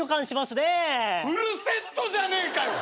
フルセットじゃねえかよ！